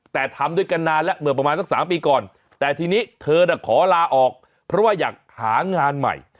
แต่ทำด้วยกันนานแล้วเมื่อประมาณสัก๓ปีก่อนแต่ทีนี้เธอน่ะขอลาออกเพราะว่าอยากหางานใหม่